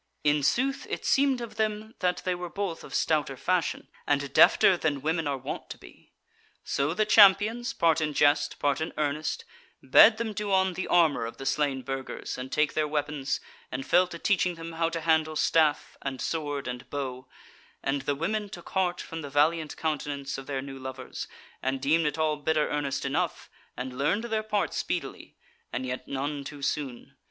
In sooth it seemed of them that they were both of stouter fashion, and defter than women are wont to be. So the champions, part in jest, part in earnest, bade them do on the armour of the slain Burgers, and take their weapons, and fell to teaching them how to handle staff and sword and bow; and the women took heart from the valiant countenance of their new lovers, and deemed it all bitter earnest enough, and learned their part speedily; and yet none too soon.